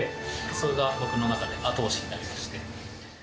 それが僕の中で、後押しになりまして。